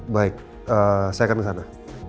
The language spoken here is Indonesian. baik saya akan kesana